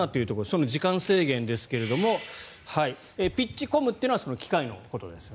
その時間制限ですがピッチコムというのは機械のことです。